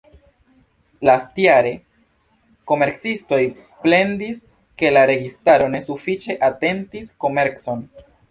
Lastjare komercistoj plendis, ke la registaro ne sufiĉe atentis komercon.